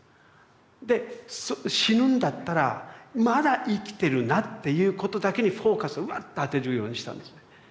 で死ぬんだったら「まだ生きてるな」っていうことだけにフォーカスをうわぁっと当てるようにしたんですね。